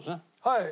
はい。